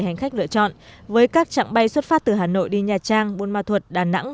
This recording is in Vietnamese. hành khách lựa chọn với các trạng bay xuất phát từ hà nội đi nhà trang buôn ma thuật đà nẵng